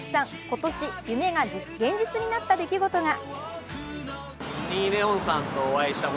今年、夢が現実になった出来事が。